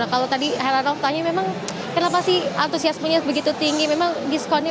kalau tadi heranof tanya memang kenapa sih antusiasmenya begitu tinggi memang diskonnya